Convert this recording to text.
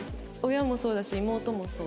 親もそうだし妹もそう。